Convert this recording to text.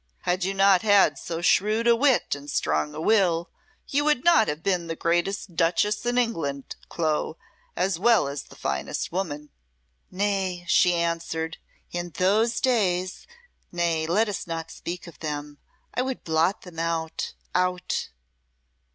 Had you not had so shrewd a wit and strong a will, you would not have been the greatest duchess in England, Clo, as well as the finest woman." "Nay," she answered "in those days nay, let us not speak of them! I would blot them out out."